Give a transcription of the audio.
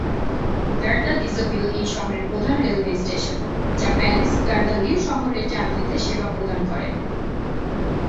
গার de Dijon Ville এই শহরের প্রধান রেলওয়ে স্টেশন, যা প্যারিস-গার দ্য লিওঁ শহরের যাত্রীদের সেবা প্রদান করে।